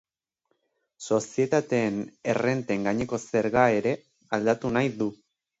Sozietateen errenten gaineko zerga ere aldatu nahi du.